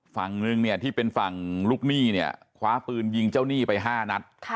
ฝั่งหนึ่งที่เป็นฝั่งลูกหนี้คว้าปืนยิงเจ้าหนี้ไป๕นัท